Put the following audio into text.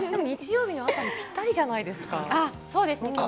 日曜日の朝にぴったりじゃなそうですね。